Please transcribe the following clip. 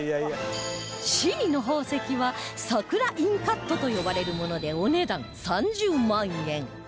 Ｃ の宝石はさくらインカットと呼ばれるものでお値段３０万円